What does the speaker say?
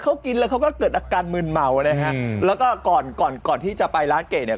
เขากินแล้วเขาก็เกิดอาการมืนเมานะฮะแล้วก็ก่อนก่อนก่อนที่จะไปร้านเกะเนี่ย